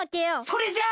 それじゃ！